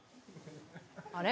あれ？